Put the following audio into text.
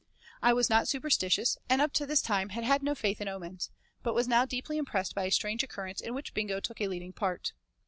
I was not superstitious, and up to this time had had no faith in omens, but was now deeply impressed by a strange occurrence in which Bingo took a leading part.